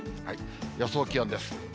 予想気温です。